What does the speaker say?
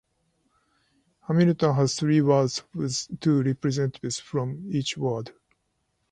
Hamilton has three Wards with two representatives from each Ward.